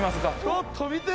ちょっと見て。